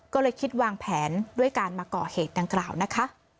ก็เลยคิดวางแผนด้วยการมาก่อเหตุดังกล่าวนะคะ